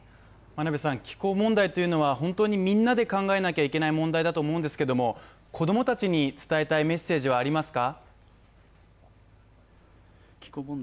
気候問題というのは本当にみんなで考えなきゃいけない問題だと思うんですが、子供たちに伝えたいメッセージはありますか？